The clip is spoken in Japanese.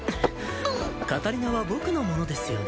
カタリナは僕のものですよね？